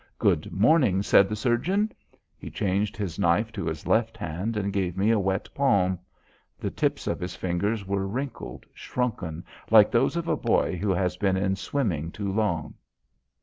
"Good morning," said the surgeon. He changed his knife to his left hand and gave me a wet palm. The tips of his fingers were wrinkled, shrunken, like those of a boy who has been in swimming too long.